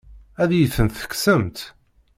Ad iyi-tent-tekksemt?